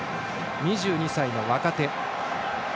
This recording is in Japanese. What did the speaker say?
２２歳の若手。